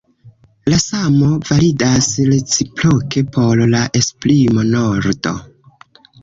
La samo validas reciproke por la esprimo Nordo.